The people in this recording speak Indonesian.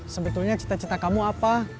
sebetulnya cita cita kamu apa